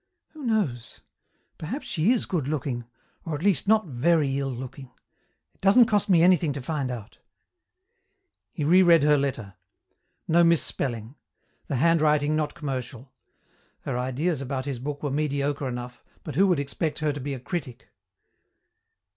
"Who knows? Perhaps she is good looking, or at least not very ill looking. It doesn't cost me anything to find out." He re read her letter. No misspelling. The handwriting not commercial. Her ideas about his book were mediocre enough, but who would expect her to be a critic?